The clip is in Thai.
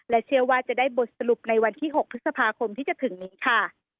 เชื่อว่าจะได้บทสรุปในวันที่๖พฤษภาคมที่จะถึงนี้ค่ะ